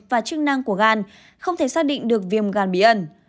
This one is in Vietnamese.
và chức năng của gan không thể xác định được viêm gan bí ẩn